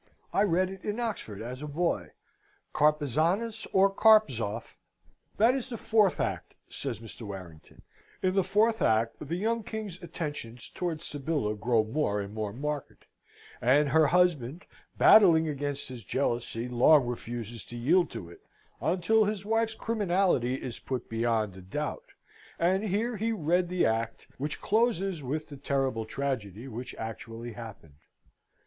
I read it in Oxford as a boy Carpezanus or Carpzoff " "That is the fourth act," says Mr. Warrington. In the fourth act the young King's attentions towards Sybilla grow more and more marked; but her husband, battling against his jealousy, long refuses to yield to it, until his wife's criminality is put beyond a doubt and here he read the act, which closes with the terrible tragedy which actually happened.